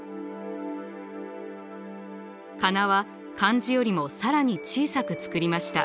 仮名は漢字よりも更に小さく作りました。